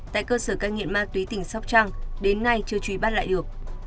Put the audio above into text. tại cơ sở cai nghiện ma túy tỉnh sóc trăng đến nay chưa truy bắt lại được